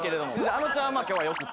あのちゃんは今日はよくて。